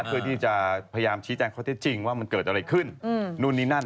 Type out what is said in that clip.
เพื่อที่จะพยายามชี้แจงข้อเท็จจริงว่ามันเกิดอะไรขึ้นนู่นนี่นั่น